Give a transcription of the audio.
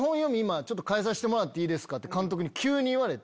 変えさせてもらっていいですか？」って監督に急に言われて。